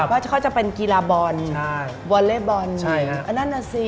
เพราะเขาจะเป็นกีฬาบอลบอลเล่บอลอันนั้นหน่อยซิ